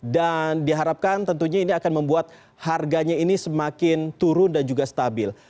dan diharapkan tentunya ini akan membuat harganya ini semakin turun dan juga stabil